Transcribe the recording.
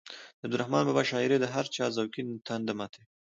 د عبدالرحمان بابا شاعري د هر چا ذوقي تنده ماتوي.